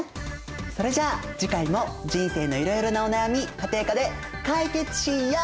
それじゃあ次回も人生のいろいろなお悩み家庭科で解決しよう！